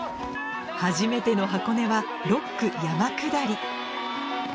初めての箱根は６区山下り